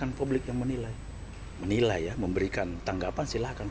dan publik yang menilai menilai ya memberikan tanggapan silakan